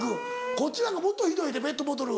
こっちなんかもっとひどいでペットボトル。